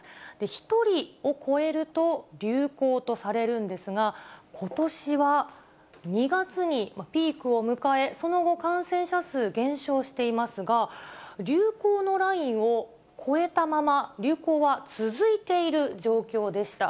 １人を超えると流行とされるんですが、ことしは２月にピークを迎え、その後、感染者数減少していますが、流行のラインを超えたまま、流行は続いている状況でした。